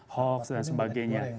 hoax dan sebagainya